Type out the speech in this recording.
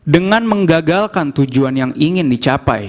dengan menggagalkan tujuan yang ingin dicapai